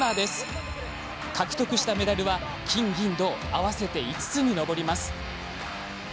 獲得したメダルは金、銀、銅合わせて５つに上ります。